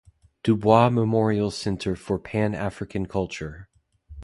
Du Bois Memorial Centre for Pan African Culture.